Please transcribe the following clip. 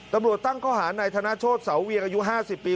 ตำรวจตั้งข้อหานายธนโชธเสาเวียงอายุ๕๐ปี